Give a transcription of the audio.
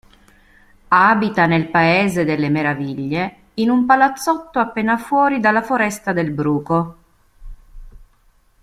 Abita nel Paese delle Meraviglie in un palazzotto appena fuori dalla foresta del Bruco.